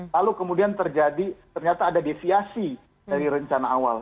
lalu kemudian terjadi ternyata ada deviasi dari rencana awal